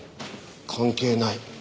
関係ない。